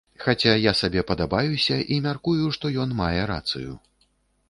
Хаця я сабе падабаюся, і, мяркую, што ён мае рацыю.